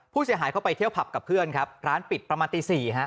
ผู้เสียหายเข้าไปเที่ยวผับกับเพื่อนครับร้านปิดประมาณตี๔ฮะ